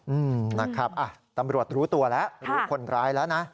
อืมนะครับอ่ะตำรวจรู้ตัวแล้วรู้คนร้ายแล้วนะ